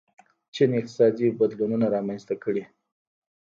چین اقتصادي بدلونونه رامنځته کړي.